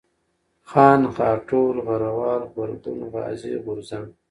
خان ، غاټول ، غروال ، غبرگون ، غازي ، غورځنگ